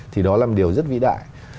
thì đó là một điều rất vĩ đại